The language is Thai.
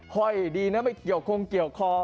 ห้อยดีนะไม่เกี่ยวคงเกี่ยวคอ